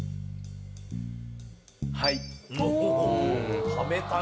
はい。